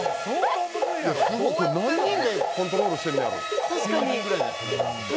これ何人でコントロールしてんねやろ？